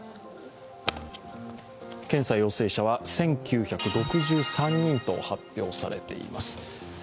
検査陽性者は１９６３人と発表されています。